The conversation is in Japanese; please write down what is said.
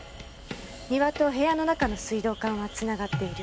庭と部屋の中の水道管は繋がっている。